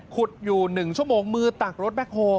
ขุดอยู่๑ชั่วโมงมือตักรถแบ็คโฮล